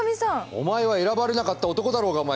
お前は選ばれなかった男だろうがお前。